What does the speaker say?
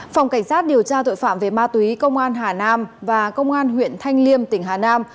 phòng cảnh sát điều tra tội phạm về ma túy công an hà nam và công an huyện thanh liêm tỉnh hà nam